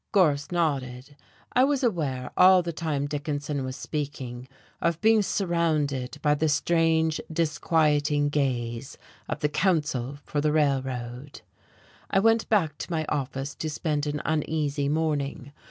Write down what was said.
Gorse nodded. I was aware, all the time Dickinson was speaking, of being surrounded by the strange, disquieting gaze of the counsel for the Railroad.... I went back to my office to spend an uneasy morning.